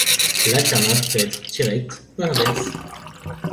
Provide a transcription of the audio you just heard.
L’alternance peut être directe ou inverse.